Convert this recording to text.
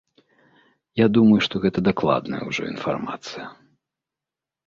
Я думаю, што гэта дакладная ўжо інфармацыя.